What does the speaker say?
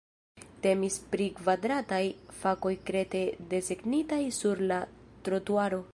Temis pri kvadrataj fakoj krete desegnitaj sur la trotuaro.